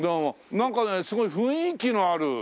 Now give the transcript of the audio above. なんかねすごい雰囲気のある。